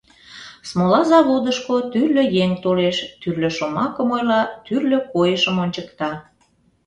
Смола заводышко тӱрлӧ еҥ толеш, тӱрлӧ шомакым ойла, тӱрлӧ койышым ончыкта...